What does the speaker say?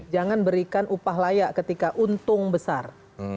jangan berikan upah layak ketika untung besar